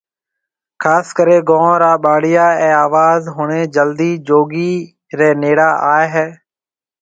خاص ڪري گون را ٻاڙيا اي آواز ۿڻي جلدي جوگي ري نيڙا آوي ھيَََ